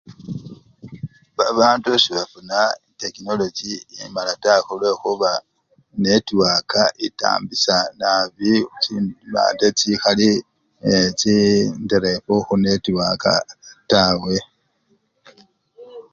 Babandu sebafuna tekinolochi emala taa kakila netiwaka etambisya nabii chimandi chikhali ee, nderefu khunetiwaka taa.